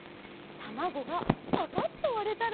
たまごがパカッとわれたら。